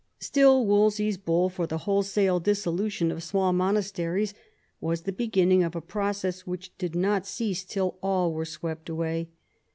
Still Wolsey's bull for the wholesale dissolution of small monasteries was the beginning of a process which did not cease till all were swept away.